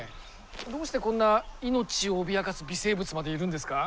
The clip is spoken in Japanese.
どうしてこんな命を脅かす微生物までいるんですか？